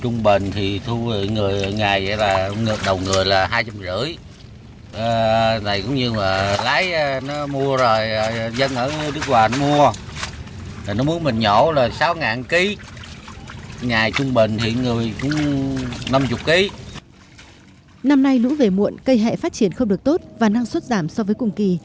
năm nay lũ về muộn cây hẹ phát triển không được tốt và năng suất giảm so với cùng kỳ